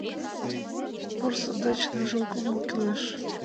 Порсын деч ныжыл кумыл кӱлеш.